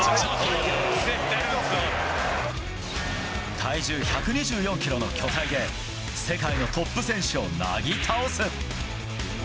体重１２４ｋｇの巨体で世界のトップ選手をなぎ倒す。